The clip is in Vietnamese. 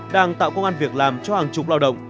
đang tạo công an việc làm cho hàng chục lao động